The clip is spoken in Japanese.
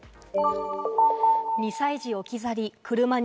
２歳児を置き去りに。